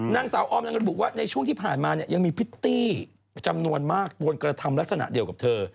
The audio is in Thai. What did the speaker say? นางสาวออมยังระบุว่าในช่วงที่ผ่านมาเนี่ยยังมีพิตตี้จำนวนมากโดนกระทำลักษณะเดียวกับเธอ